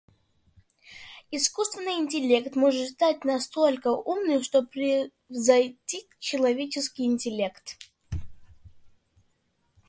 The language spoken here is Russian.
Искусственный интеллект может стать настолько умным, что превзойдет человеческий интеллект.